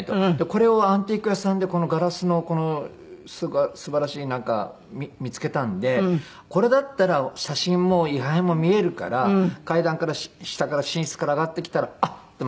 これをアンティーク屋さんでガラスのこのすばらしいなんか見つけたんでこれだったら写真も位牌も見えるから階段から下から寝室から上がってきたらあっ！って